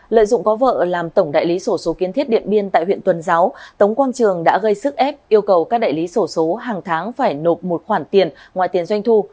lợi dụng có vợ làm tổng đại lý sổ số kiến thiết điện biên tại huyện tuần giáo tống quang trường đã gây sức ép yêu cầu các đại lý sổ số hàng tháng phải nộp một khoản tiền ngoài tiền doanh thu